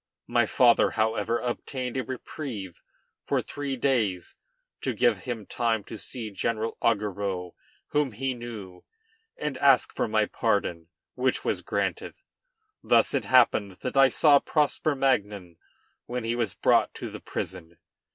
My father, however, obtained a reprieve for three days to give him time to see General Augereau, whom he knew, and ask for my pardon, which was granted. Thus it happened that I saw Prosper Magnan when he was brought to the prison.